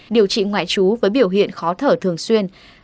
điều trị ngoại trú với biểu hiện khó thở thường xuyên